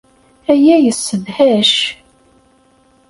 Aya yessedhac.